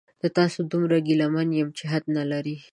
د تاسو دومره ګیله من یمه چې حد نلري